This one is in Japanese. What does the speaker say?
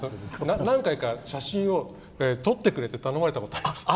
何回か写真を撮ってくれって頼まれたことあります。